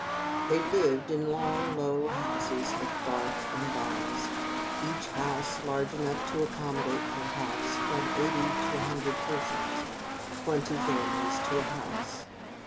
They lived in long, low houses of bark and boughs, each house large enough to accommodate, perhaps, from eighty to a hundred persons twenty families to a house.